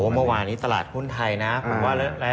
เมื่อวานนี้ตลาดหุ้นไทยนะครับ